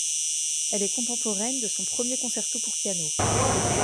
Elle est contemporaine de son premier concerto pour piano.